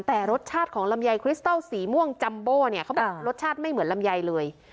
แต่รสชาติของลำไยคริสตอลสีม่วงจัมโบเนี่ยเขาบอกรสชาติไม่เหมือนลำไยเลย